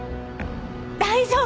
大丈夫！